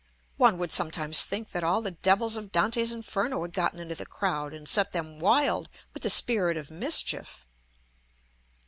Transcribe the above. One would sometimes think that all the devils of Dante's "Inferno" had gotten into the crowd and set them wild with the spirit of mischief.